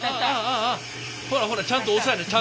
ほらほらちゃんと押さえなちゃんと。